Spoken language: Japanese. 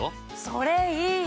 それいい！